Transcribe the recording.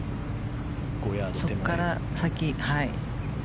そこから先。